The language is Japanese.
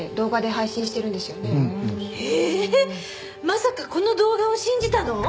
まさかこの動画を信じたの？